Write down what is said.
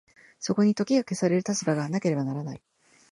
そこに時が消される立場がなければならない。